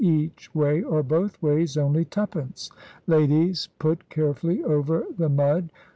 Each way or both ways only Twopence. Ladies put carefully over the Mud.